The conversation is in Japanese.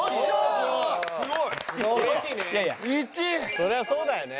そりゃそうだよね。